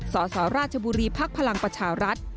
สสราชบุรีภักดิ์พลังประชารัฐ